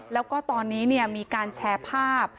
แล้วก็ตอนนี้มีการแชร์ภาพ